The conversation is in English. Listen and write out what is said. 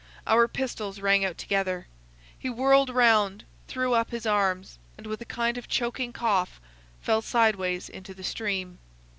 Our pistols rang out together. He whirled round, threw up his arms, and with a kind of choking cough fell sideways into the stream.